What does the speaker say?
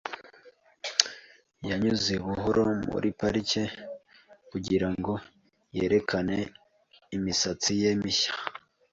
Yanyuze buhoro muri parike kugirango yerekane imisatsi ye mishya .